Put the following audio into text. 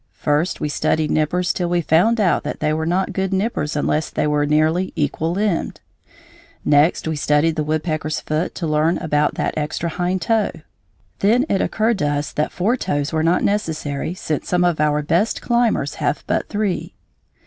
First we studied nippers till we found out that they were not good nippers unless they were nearly equal limbed. Next we studied the woodpecker's foot to learn about that extra hind toe. Then it occurred to us that four toes were not necessary, since some of our best climbers have but three.